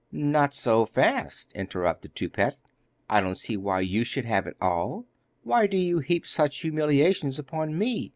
'Not so fast,' interrupted Toupette, 'I don't see why you should have it all. Why do you heap such humiliations upon me?